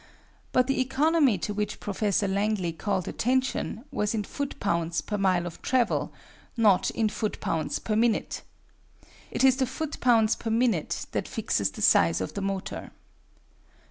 But the economy to which Professor Langley called attention was in foot pounds per mile of travel, not in foot pounds per minute. It is the foot pounds per minute that fixes the size of the motor.